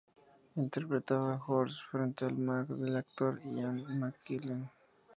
Interpretaba a Horst, frente al Max del actor Ian McKellen.